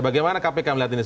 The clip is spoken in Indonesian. bagaimana kpk melihat ini